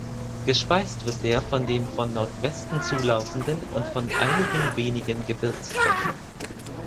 Gespeist wird der von dem von Nordwesten zulaufenden und von einigen wenigen Gebirgsbächen.